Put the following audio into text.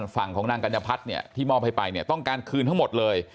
ฝั่งของนางกัญญพัฒน์เนี่ยที่มอบให้ไปเนี่ยต้องการคืนทั้งหมดเลย